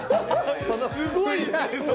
すごい。